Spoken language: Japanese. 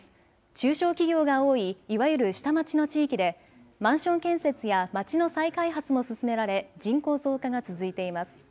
中小企業が多いいわゆる下町の地域でマンション建設やまちの再開発も進められ人口増加が続いています。